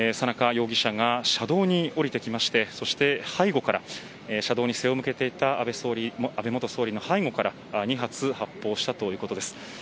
容疑者が車道に降りてきて背後から車道に背を向けていた安倍元総理の背後から２発発砲したということです。